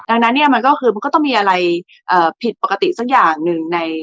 ดังนั้นเนี่ยมันก็คือมันก็ต้องมีอะไรผิดปกติสักอย่างหนึ่ง